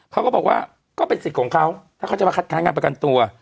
เขาก็บอกว่าก็เป็นสิทธิ์ของเขาถ้าเขาจะมาคัดค้างการประกันตัว